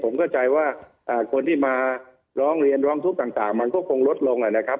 ผมเข้าใจว่าคนที่มาร้องเรียนร้องทุกข์ต่างมันก็คงลดลงนะครับ